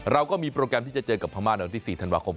เราก็มีโปรแกรมที่จะเจอกับพม่าในวันที่๔ธันวาคม